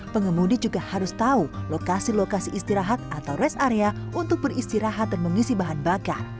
pengemudi juga harus tahu lokasi lokasi istirahat atau rest area untuk beristirahat dan mengisi bahan bakar